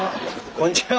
こんにちは。